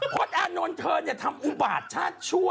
พอร์ตอานนท์เธอเนี่ยทำอุบาทชาติชั่ว